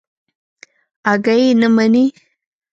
اگه يې نه مني.